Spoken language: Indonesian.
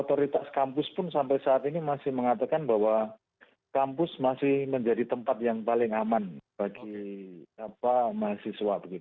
otoritas kampus pun sampai saat ini masih mengatakan bahwa kampus masih menjadi tempat yang paling aman bagi mahasiswa